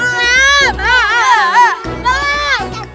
game selalu berubah